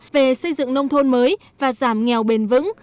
về xây dựng nông thôn mới và giảm nghèo bền vững